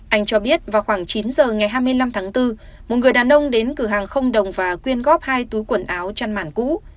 anh cho biết vào khoảng chín giờ ngày hai mươi năm tháng bốn một người đàn ông đến cửa hàng không đồng và quyên góp hai túi quần áo chăn màn cũ